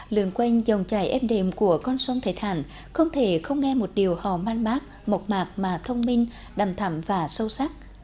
lươn quanh dòng trải ép đềm của con sông thái thản không thể không nghe một điều họ man mát mộc mạc mà thông minh đầm thẳm và sâu sắc